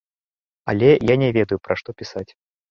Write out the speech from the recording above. Але я не ведаю, пра што пісаць.